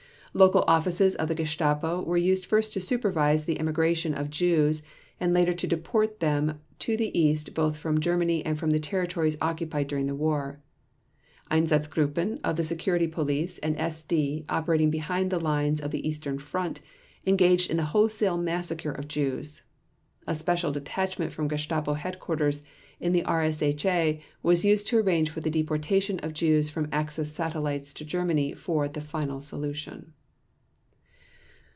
Local offices of the Gestapo were used first to supervise the emigration of Jews and later to deport them to the East both from Germany and from the territories occupied during the war. Einsatzgruppen of the Security Police and SD operating behind the lines of the Eastern Front engaged in the wholesale massacre of Jews. A special detachment from Gestapo headquarters in the RSHA was used to arrange for the deportation of Jews from Axis satellites to Germany for the "final solution".